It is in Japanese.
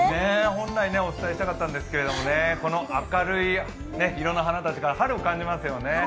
本来お伝えしたかったんですけどね、この明るい色の花たちから春を感じますよね。